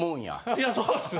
いやそうですね。